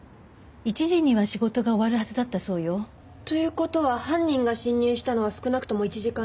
１時には仕事が終わるはずだったそうよ。という事は犯人が侵入したのは少なくとも１時間以上前。